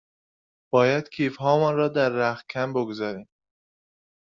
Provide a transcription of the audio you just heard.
باید کیف هامان را در رختکن بگذاریم.